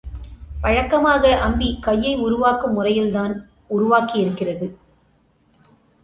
வழக்கமாக அம்பி கையை உருவாக்கும் முறையிலேதான் உருவாக்கியிருக்கிறது.